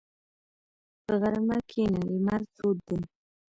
په غرمه کښېنه، لمر تود دی.